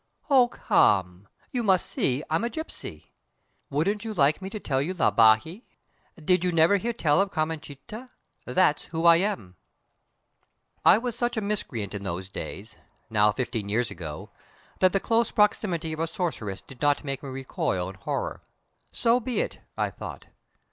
"Oh come! You must see I'm a gipsy! Wouldn't you like me to tell you la baji?* Did you never hear tell of Carmencita? That's who I am!" * Your fortune. I was such a miscreant in those days now fifteen years ago that the close proximity of a sorceress did not make me recoil in horror. "So be it!" I thought.